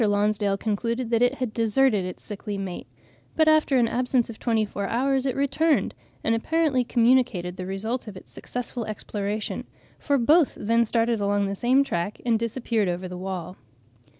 Lonsdale concluded that it had deserted its sickly mate; but after an absence of twenty four hours it returned, and apparently communicated the result of its successful exploration, for both then started along the same track and disappeared over the wall.